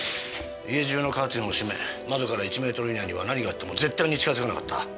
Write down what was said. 家中のカーテンを閉め窓から１メートル以内には何があっても絶対に近づかなかった。